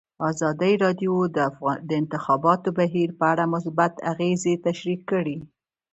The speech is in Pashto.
ازادي راډیو د د انتخاباتو بهیر په اړه مثبت اغېزې تشریح کړي.